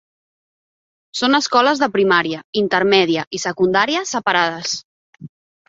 Son escoles de primària, intermèdia i secundària separades.